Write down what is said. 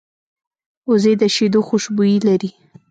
وزې د شیدو خوشبويي لري